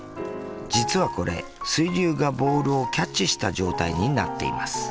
実はこれ水流がボールをキャッチした状態になっています。